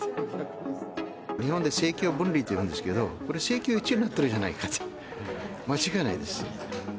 日本で政教分離というんですけど、これ政教一致になってるじゃないかと、間違いないです。